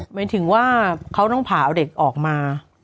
หมายถึงว่าเขาต้องผ่าเอาเด็กออกมา